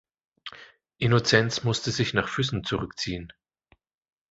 Innozenz musste sich nach Füssen zurückziehen.